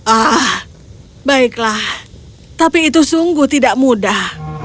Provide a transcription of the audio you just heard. ah baiklah tapi itu sungguh tidak mudah